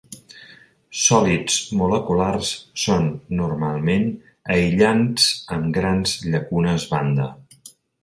Sòlids moleculars són normalment aïllants amb grans llacunes banda.